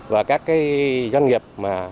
và các doanh nghiệp